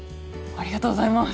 ありがとうございます。